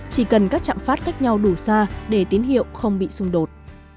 chỉ cần các chạm phát cách nhau đủ xa để tín hiệu không bị xung đột